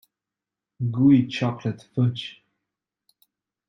Gooey chocolate fudge.